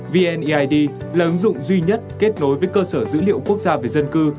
vneid là ứng dụng duy nhất kết nối với cơ sở dữ liệu quốc gia về dân cư